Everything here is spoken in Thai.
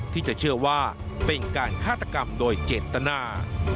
ที่จะเชื่อว่าเป็นการฆาตกรรมโดยเจตนา